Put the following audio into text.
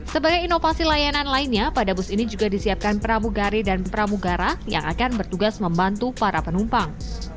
sebagai inovasi layanan lainnya pada bus ini juga disiapkan pramugari dan pramugara yang akan bertugas membantu para penumpang